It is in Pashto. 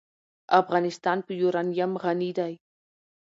افغانستان په یورانیم غني دی.